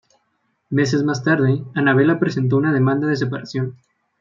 Meses más tarde, Annabella presentó una demanda de separación.